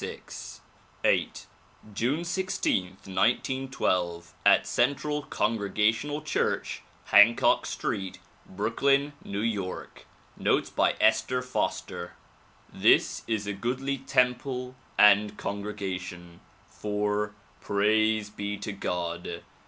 VIII June 16, 1912, at Central Congregational Church, Hancock Street, Brooklyn, N. Y. Notes by Esther Foster THIS is a goodly temple and congregation, for — Praise be to God